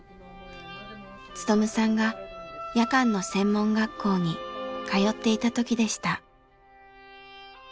勉さんが夜間の専門学校に通っていた時でした。